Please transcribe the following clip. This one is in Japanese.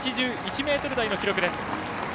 ８１ｍ台の記録です。